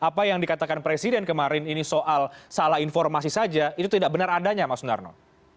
apa yang dikatakan presiden kemarin ini soal salah informasi saja itu tidak benar adanya mas sundarno